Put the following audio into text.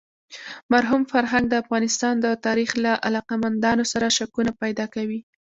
مرحوم فرهنګ د افغانستان د تاریخ له علاقه مندانو سره شکونه پیدا کوي.